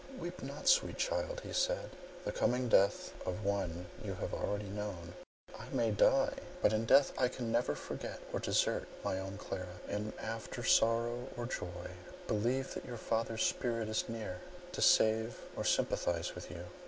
"Weep not, sweet child," said he, "the coming death of one you have hardly known. I may die, but in death I can never forget or desert my own Clara. In after sorrow or joy, believe that you father's spirit is near, to save or sympathize with you.